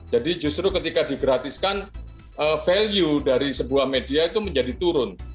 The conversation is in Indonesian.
jadi justru ketika digratiskan value dari sebuah media itu menjadi turun